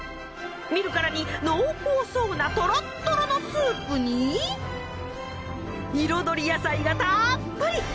見るからに濃厚そうなトロットロのスープに彩り野菜がたっぷり！